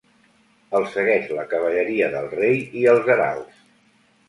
El segueix la cavalleria del rei i els heralds.